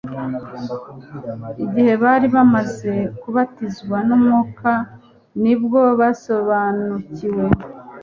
Igihe bari bamaze kubatizwa n'Umwuka nibwo basobanukiwe